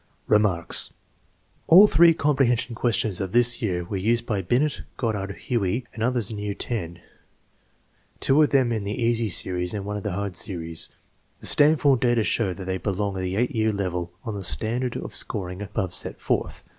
*" Remarks. All three comprehension questions of this year were used by Binet, Goddard, Huey, and others in year X; two of them in the " easy series " and one in the " hard series." The Stanford data show that they belong at the 8 year level on the standard of scoring above set forth.